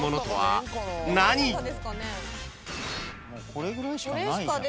これぐらいしかない。